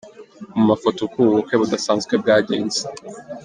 Mu mafoto uko ubu bukwe budasanzwe bwagenze.